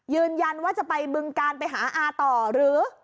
ยืนยันว่าจะไปบึงการไปหาอาต่อหรือ